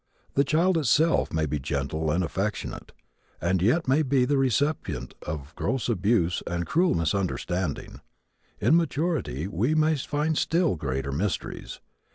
The child itself may be gentle and affectionate and yet it may be the recipient of gross abuse and cruel misunderstanding. In maturity we may find still greater mysteries.